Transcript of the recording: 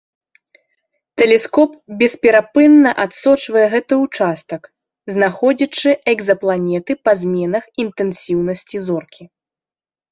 Тэлескоп бесперапынна адсочвае гэты ўчастак, знаходзячы экзапланеты па зменах інтэнсіўнасці зоркі.